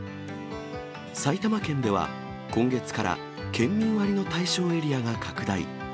埼玉県では、今月から県民割の対象エリアが拡大。